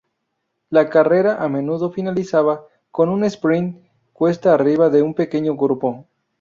La carrera a menudo finalizaba con un "sprint" cuesta arriba de un pequeño grupo.